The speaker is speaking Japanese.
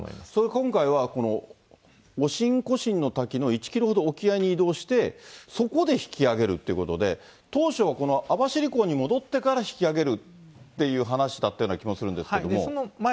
今回はこのオシンコシンの滝の１キロほど沖合に移動して、そこで引き揚げるってことで、当初は、この網走港に戻ってから引き揚げるっていう話だったような気もすその前、